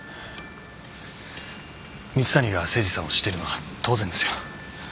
蜜谷が誠司さんを知っているのは当然ですよ。